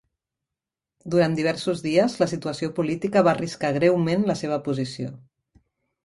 Durant diversos dies, la situació política va arriscar greument la seva posició.